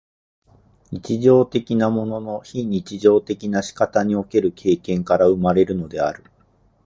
日常的なものの非日常的な仕方における経験から生まれるのである。